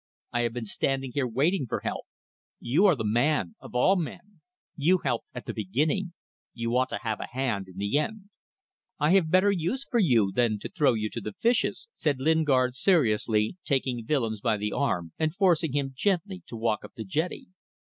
I have been standing here waiting for help. You are the man of all men. You helped at the beginning; you ought to have a hand in the end." "I have better use for you than to throw you to the fishes," said Lingard, seriously, taking Willems by the arm and forcing him gently to walk up the jetty.